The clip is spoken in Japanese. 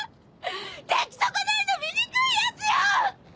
出来損ないの醜いやつよ！！